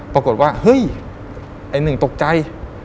ปรากฏว่าเฮ้ยไอ้หนึ่งตกใจ